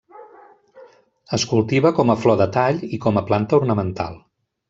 Es cultiva com a flor de tall i com a planta ornamental.